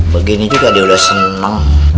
begini juga dia udah senang